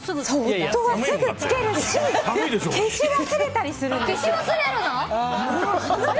夫はすぐつけるし消し忘れたりするんです！